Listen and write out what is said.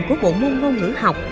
của bộ môn ngôn ngữ học